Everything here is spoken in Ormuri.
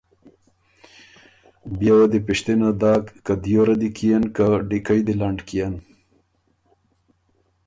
بيې وه دی پِشتِنه داک که ”دیوره دی کيېن که ډیکئ دی لنډ کيېن“